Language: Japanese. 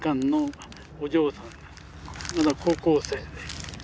まだ高校生で。